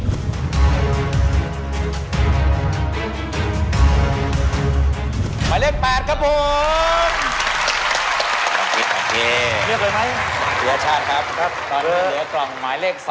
หมายเลข๘ครับผม